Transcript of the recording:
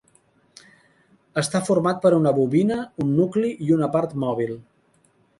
Està format per una bobina, un nucli i una part mòbil.